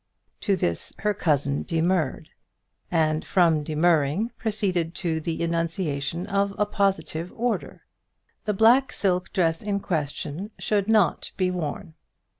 To this her cousin demurred, and from demurring proceeded to the enunciation of a positive order. The black silk dress in question should not be worn.